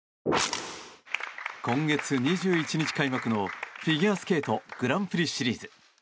今月２１日開幕のフィギュアスケートグランプリシリーズ。